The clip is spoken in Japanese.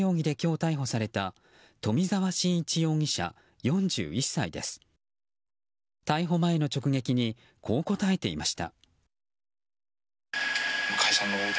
逮捕前の直撃にこう答えていました。